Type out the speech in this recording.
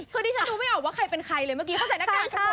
คือดิฉันดูไม่ออกว่าใครเป็นใครเลยเมื่อกี้เขาใส่หน้ากากใช่ไหม